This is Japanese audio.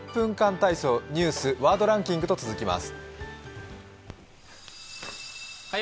体操」、ニュース「ワードランキング」と続きます。